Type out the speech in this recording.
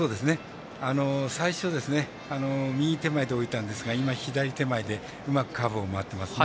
最初右手前でいたんですが今、左手前でうまくカーブを回ってますね。